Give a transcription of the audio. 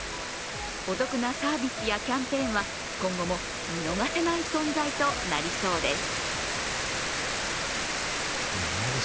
お得なサービスやキャンペーンは今後も見逃せない存在となりそうです。